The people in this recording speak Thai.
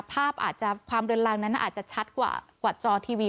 ภาพความเรือนรังนั้นอาจจะชัดกว่ากว่าจอทีวี